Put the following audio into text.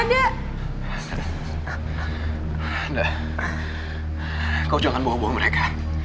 anda kau jangan bawa bawa mereka